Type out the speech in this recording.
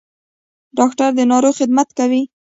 ډاکټر د ناروغ خدمت کوي